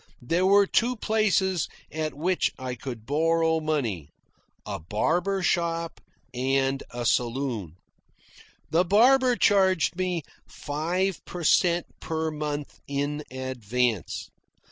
There were two places at which I could borrow money; a barber shop and a saloon. The barber charged me five per cent. per month in advance.